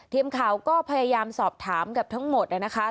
ทีมข่าวก็พยายามสอบถามกับทั้งหมดนะคะ